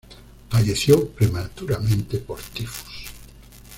Falleció prematuramente por tifus.